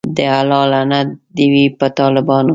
د الله لعنت دی وی په ټالبانو